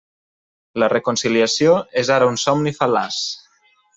La reconciliació és ara un somni fal·laç.